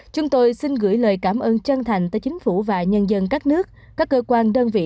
chúng tôi xin gửi lời cảm ơn chân thành tới chính phủ và nhân dân các nước các cơ quan đơn vị